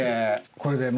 これで。